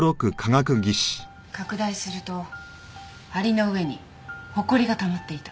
拡大すると梁の上にほこりがたまっていた。